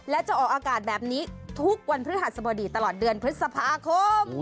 และจะออกอากาศแบบนี้ทุกวันพฤหัสบดีตลอดเดือนพฤษภาคม